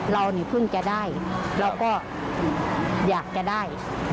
เรานี่เพิ่งจะได้เราก็อยากจะได้